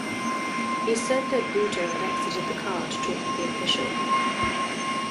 He said that Bhutto had exited the car to talk with the official.